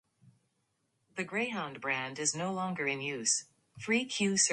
The Greyhound brand is no longer in use.